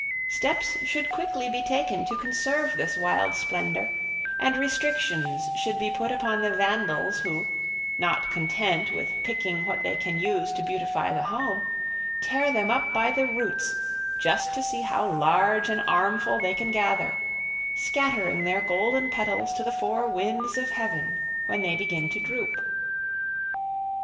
Steps should quickly be taken to conserve this wild splendor, and restrictions should be put upon the vandals, who, not content with picking what they can use to beautify the home, tear them up by the roots just to see how large an armful they can gather, scattering their golden petals to the four winds of heaven when they begin to droop.